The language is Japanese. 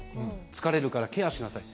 疲れるからケアしなさい。